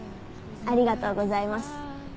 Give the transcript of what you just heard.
ありがとうございます。